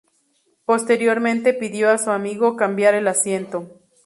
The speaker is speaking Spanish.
Posteriormente pidió a su amigo cambiar el asiento.